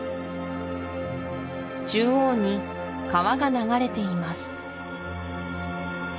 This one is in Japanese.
中央に川が流れています